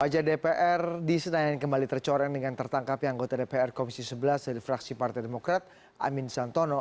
wajah dpr di senayan kembali tercoreng dengan tertangkapnya anggota dpr komisi sebelas dari fraksi partai demokrat amin santono